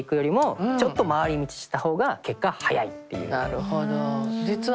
なるほど。